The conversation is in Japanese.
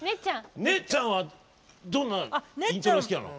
ねっちゃんはどんなイントロが好きなの？